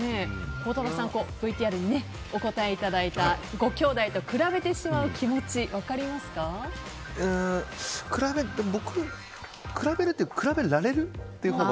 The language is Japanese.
孝太郎さん、ＶＴＲでお答えいただいたごきょうだいと比べてしまう僕、比べるというか比べられるほうが。